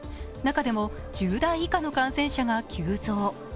中でも１０代以下の感染者が急増。